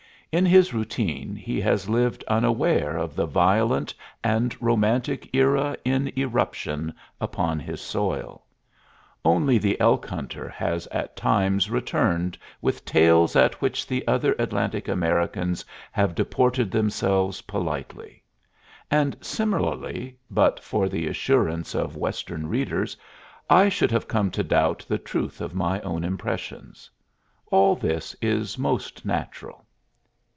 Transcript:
In his routine he has lived unaware of the violent and romantic era in eruption upon his soil. Only the elk hunter has at times returned with tales at which the other Atlantic Americans have deported themselves politely; and similarly, but for the assurances of Western readers, I should have come to doubt the truth of my own impressions. All this is most natural.